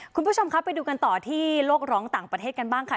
คุณผู้ชมครับไปดูกันต่อที่โลกร้องต่างประเทศกันบ้างค่ะ